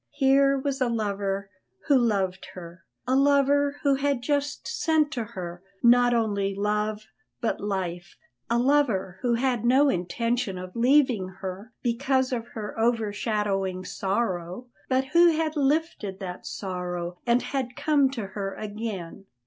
Here was a lover who loved her; a lover who had just sent to her not only love, but life; a lover who had no intention of leaving her because of her overshadowing sorrow, but who had lifted that sorrow and had come to her again.